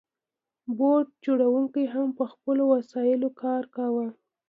بوټ جوړونکو هم په خپلو وسایلو کار کاوه.